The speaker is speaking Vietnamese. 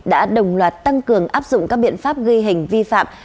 đã đồng loạt tăng cường áp dụng các biện pháp ghi hình vi phạm